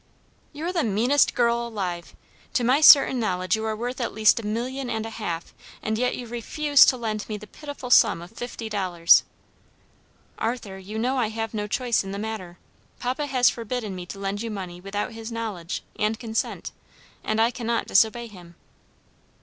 "You're the meanest girl alive! To my certain knowledge you are worth at least a million and a half, and yet you refuse to lend me the pitiful sum of fifty dollars." "Arthur, you know I have no choice in the matter. Papa has forbidden me to lend you money without his knowledge and consent, and I cannot disobey him."